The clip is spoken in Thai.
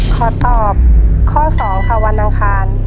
ขอตอบข้อสองค่ะวันน้ำคาญ